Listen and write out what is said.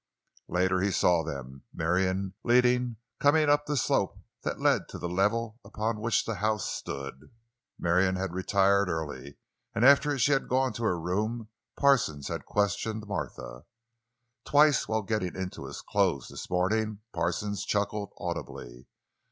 Later he saw them, Marion leading, coming up the slope that led to the level upon which the house stood. Marion had retired early, and after she had gone to her room Parsons had questioned Martha. Twice while getting into his clothes this morning Parsons chuckled audibly.